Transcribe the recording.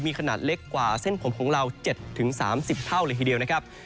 มีขนาดเล็กกว่าเส้นผมของเรา๗๓๐เท่าเลยทีเดียวนะครับ